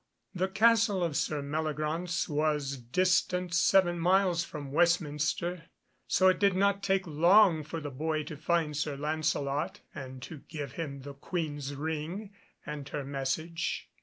] The castle of Sir Meliagraunce was distant seven miles from Westminster, so it did not take long for the boy to find Sir Lancelot, and to give him the Queen's ring and her message.